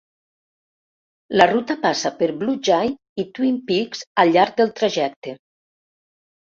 La ruta passa per Blue Jay i Twin Peaks al llarg del trajecte.